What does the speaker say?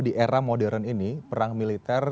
di era modern ini perang militer